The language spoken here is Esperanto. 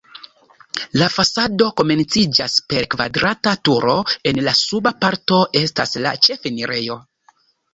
La fasado komenciĝas per kvadrata turo, en la suba parto estas la ĉefenirejo.